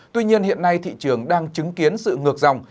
tuy nhiên hiện nay thị trường đang chứng kiến sự ngược dòng